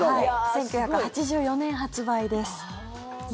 １９８４年発売です。